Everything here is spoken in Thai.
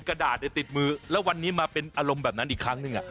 กระดาษติดมือแล้ววันนี้มาเป็นอารมณ์แบบนั้นอีกครั้งหนึ่ง